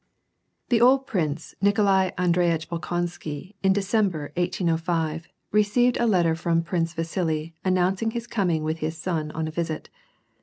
The old Prince Nikolai Andreitch Bolkonsky in December, I8O0, received a letter from Prince Vasili, announcing his coming with his son on a visit.